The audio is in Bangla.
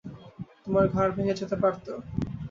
তোমার ঘাড় ভেঙে যেতে পারত।